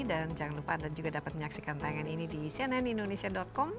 dan jangan lupa anda juga dapat menyaksikan tayangan ini di cnnindonesia com